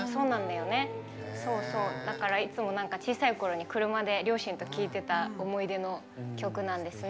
だから、いつも小さいころに車で両親と聴いてた思い出の曲なんですね。